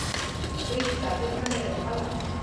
هېڅ تغیر نه دی راغلی.